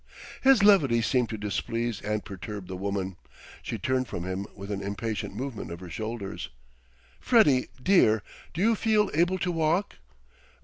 His levity seemed to displease and perturb the woman; she turned from him with an impatient movement of her shoulders. "Freddie, dear, do you feel able to walk?"